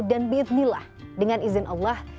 dan biadnillah dengan izin allah